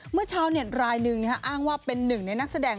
เมื่อเช้าเนี้ยดรายหนึ่งอ้างว่าเป็นหนึ่งในนักแสดง